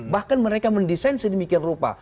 bahkan mereka mendesain sedemikian rupa